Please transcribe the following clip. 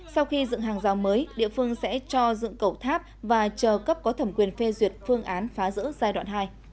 sau khi dựng hàng rào mới địa phương sẽ cho dựng cầu tháp và chờ cấp có thẩm quyền phê duyệt phương án phá rỡ giai đoạn hai